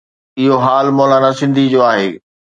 اهو حال مولانا سنڌي جو آهي.